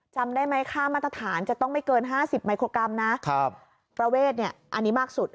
จำได้ไหมค่ามาตรฐานจะต้องไม่เกิน๕๐มิโครกรัมนะครับประเวทเนี่ยอันนี้มากสุด